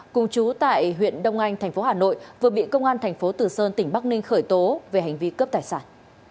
cùng chú tại huyện đông anh tp hà nội vừa bị công an thành phố từ sơn tỉnh bắc ninh khởi tố về hành vi cướp tài sản